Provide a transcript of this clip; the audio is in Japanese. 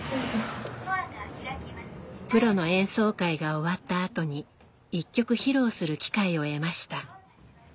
プロの演奏会が終わったあとに一曲披露する機会を得ました。